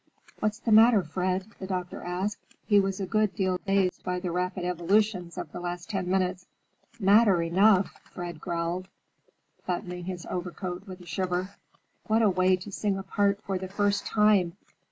"What's the matter, Fred?" the doctor asked. He was a good deal dazed by the rapid evolutions of the last ten minutes. "Matter enough!" Fred growled, buttoning his overcoat with a shiver. "What a way to sing a part for the first time!